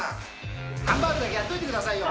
ハンバーグだけやっといてくださいよ。